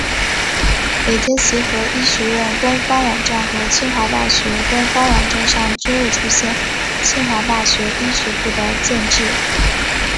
北京协和医学院官方网站和清华大学官方网站上均未出现清华大学医学部的建制。